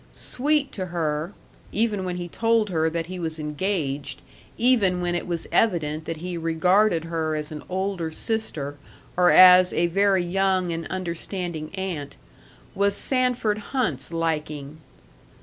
Sweet to her even when he told her that he was engaged, even when it was evident that he regarded her as an older sister or as a very young and understanding aunt was Sanford Hunt's liking.